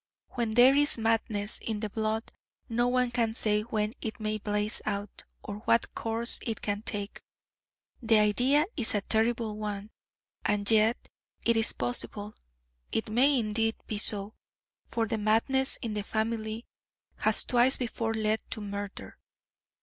When there is madness in the blood no one can say when it may blaze out, or what course it can take. The idea is a terrible one, and yet it is possible; it may indeed be so, for the madness in the family has twice before led to murder.